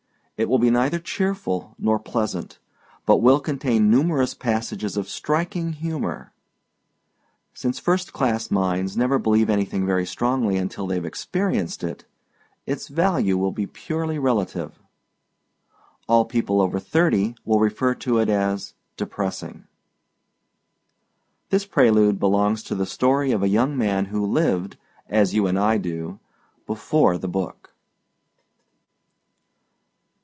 It will be neither cheerful nor pleasant but will contain numerous passages of striking humor. Since first class minds never believe anything very strongly until they've experienced it, its value will be purely relative ... all people over thirty will refer to it as "depressing." This prelude belongs to the story of a young man who lived, as you and I do, before the book.